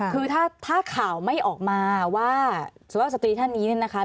คือถ้าข่าวไม่ออกมาว่าสุภาพสตรีท่านนี้เนี่ยนะคะ